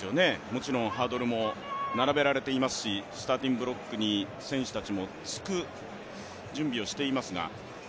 もちろんハードルも並べられていますし、スターティング・ブロックに選手たちもつく準備をしていますが。